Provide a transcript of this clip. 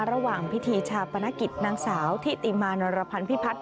ระหว่างพิธีชาปนกิจนางสาวที่ติมาร์นรพภัณฑ์พิพัธย์